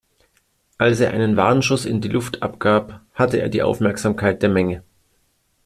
Als er einen Warnschuss in die Luft abgab, hatte er die Aufmerksamkeit der Menge.